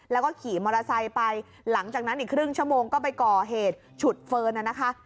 แล้วก็ขี่มอเตอร์ไซค์ไปหลังจากนั้นอีกครึ่งชั่วโมงก็ไปก่อเหตุฉุดเฟิร์นนะคะ